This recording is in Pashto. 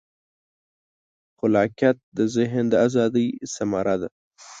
خلاقیت د ذهن د ازادۍ ثمره ده.